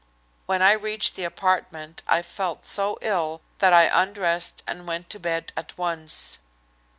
When I reached the apartment I felt so ill that I undressed and went to bed at once.